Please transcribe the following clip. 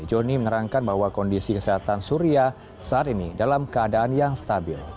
joni menerangkan bahwa kondisi kesehatan surya saat ini dalam keadaan yang stabil